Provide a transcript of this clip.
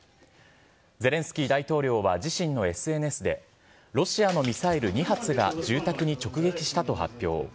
ゼレンスキー大統領は自身のＳＮＳで、ロシアのミサイル２発が住宅に直撃したと発表。